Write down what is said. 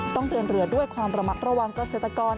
ต้องเดินเรือด้วยความระมัดระวังเกษตรกร